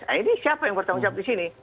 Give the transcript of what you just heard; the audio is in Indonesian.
nah ini siapa yang bertanggung jawab di sini